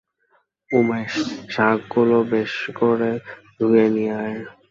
উমেশ, শাকগুলো বেশ করে ধুয়ে নিয়ে আয়।